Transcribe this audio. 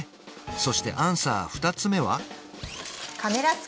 そしてアンサー２つ目は？